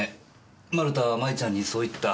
丸田は麻衣ちゃんにそう言った。